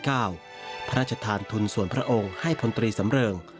พระราชทานทุนส่วนพระองค์ให้พลตรีสำเริง